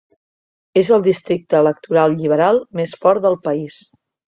És el districte electoral lliberal més fort del país.